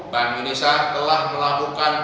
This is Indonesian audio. bank indonesia telah melakukan